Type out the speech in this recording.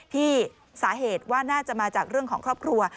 ที่สาเหตุว่าน่าจะมาจากเรื่องของครอบครัว